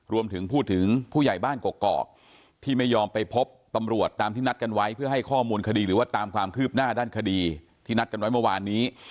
รวมถึงพูดถึงผู้ใหญ่บ้านกอกที่ไม่ยอมไปพบตำรวจตามที่นัดกันไว้เพื่อให้ข้อมูลคดีหรือว่าตามความคืบหน้าด้านคดีที่นัดกันไว้เมื่อวานนี้